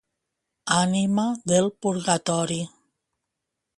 Ànima del purgatori!